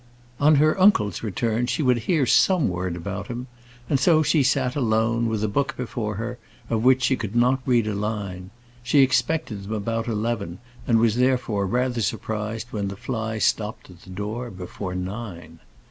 On her uncle's return, she would hear some word about him; and so she sat alone, with a book before her, of which she could not read a line. She expected them about eleven, and was, therefore, rather surprised when the fly stopped at the door before nine.